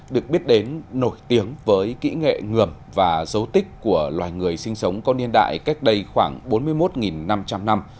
được biết đến nổi tiếng với kỹ nghệ ngườm và dấu tích của loài người sinh sống con niên đại cách đây khoảng bốn mươi một năm trăm linh năm